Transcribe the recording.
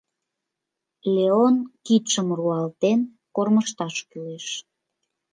Леон кидшым руалтен кормыжташ кӱлеш.